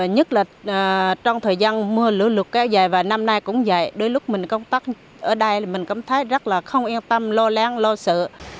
nhất là trong thời gian mưa lũ lụt kéo dài và năm nay cũng vậy đôi lúc mình công tác ở đây mình cảm thấy rất là không yên tâm lo lắng lo sợ